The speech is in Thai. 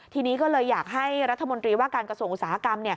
ทีนี้ก็เลยอยากให้รัฐมนตรีว่าการกระทรวงอุตสาหกรรม